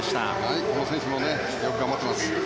この選手もよく頑張ってます。